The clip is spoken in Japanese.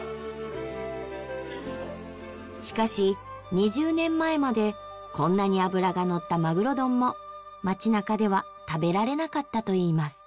しかし２０年前までこんなに脂がのったマグロ丼も町中では食べられなかったといいます。